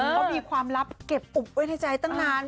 เขามีความลับเก็บอุบไว้ในใจตั้งนาน